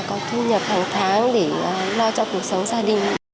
có thu nhập hàng tháng để lo cho cuộc sống gia đình